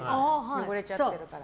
汚れちゃってるから。